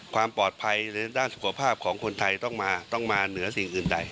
ความปลอดภัยในด้านสุขภาพของคนไทยต้องมาต้องมาเหนือสิ่งอื่นใด